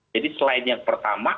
jadi selain yang pertama